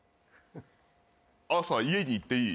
朝家に行っていい？